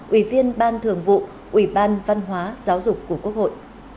ủy viên ban thường vụ ủy ban văn hóa giáo dục của quốc hội